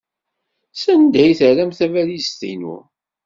Sanda ay terram tabalizt-inu?